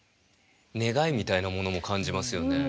願いみたいなものも感じますよね。